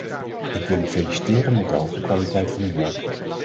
Ik wil u feliciteren met de hoge kwaliteit van uw werk.